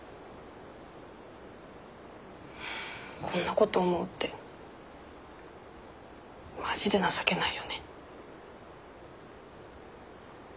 こんなこと思うってマジで情けないよね。